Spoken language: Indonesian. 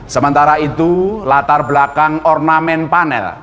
sementara itu latar belakang ornamen panel